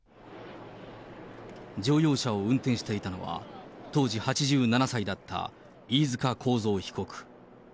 乗用車を運転していたのは、当時８７歳だった飯塚幸三被告。